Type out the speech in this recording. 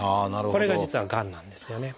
これが実はがんなんですよね。